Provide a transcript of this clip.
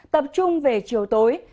tập trung về chiều tối